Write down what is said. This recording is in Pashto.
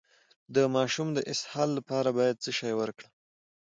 د ماشوم د اسهال لپاره باید څه شی ورکړم؟